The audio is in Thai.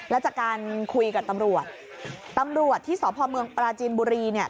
แล้วจากการคุยกับตำรวจตำรวจที่สพเมืองปราจีนบุรีเนี่ย